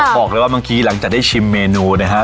บอกเลยว่าบางทีหลังจากได้ชิมเมนูนะครับ